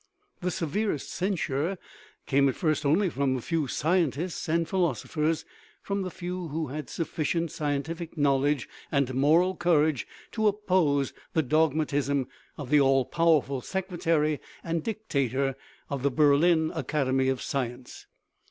The "se verest censure " came at first only from a few scientists and philosophers from the few who had sufficient scientific knowledge and moral courage to oppose the dogmatism of the all powerful secretary and dictator of the Berlin Academy of Science.